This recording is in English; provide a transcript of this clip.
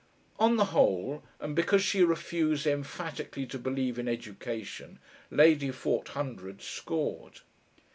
On the whole, and because she refused emphatically to believe in education, Lady Forthundred scored.